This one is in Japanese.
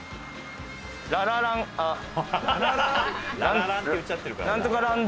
「ラララン」って言っちゃってるから。